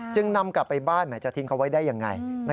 นำกลับไปบ้านหมายจะทิ้งเขาไว้ได้ยังไง